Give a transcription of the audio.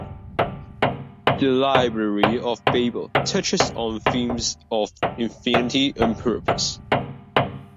The Library of Babel touches on themes of infinity and purpose.